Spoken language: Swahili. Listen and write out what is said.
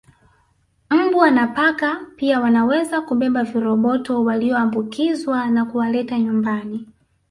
Mbwa na paka pia wanaweza kubeba viroboto walioambukizwa na kuwaleta nyumbani